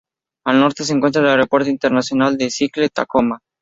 Al norte se encuentra el Aeropuerto Internacional de Seattle-Tacoma.